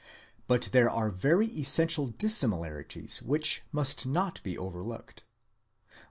18 But there ere very essential dissimilarities which must not be overlooked.